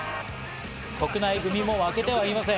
国内組も負けてはいません。